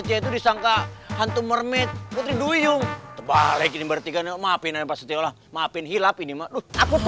itu disangka hantu mermaid putri duyung tebalik ini berarti kan maafin maafin hilap ini aku tuh